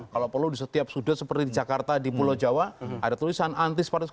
kalau perlu di setiap sudut seperti di jakarta di pulau jawa ada tulisan anti separatis